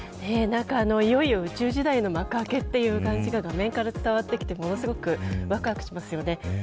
いよいよ宇宙時代の幕開けという感じが画面から伝わってきてものすごく、わくわくしますね。